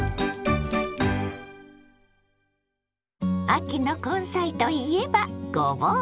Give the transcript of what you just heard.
秋の根菜といえばごぼう！